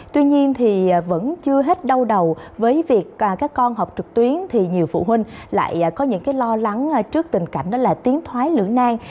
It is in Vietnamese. tuy nhiên vẫn chưa hết đau đầu với việc các con học trực tuyến thì nhiều phụ huynh lại có những lo lắng trước tình cảnh tiến thoái lưỡng nang